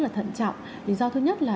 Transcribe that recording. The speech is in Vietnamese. là thận trọng lý do thứ nhất là